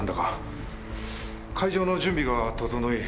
会場の準備が整い